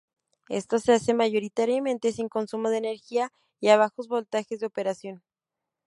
Esto se hace mayoritariamente sin consumo de energía y a bajos voltajes de operación.